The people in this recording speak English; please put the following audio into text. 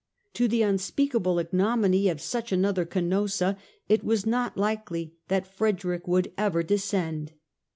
To the unspeakable ignominy of such another Canossa it was not likely that Frederick would ever descend.